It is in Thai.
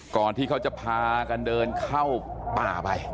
ก่อนที่เขาจะพากันเดินเข้าป่าไป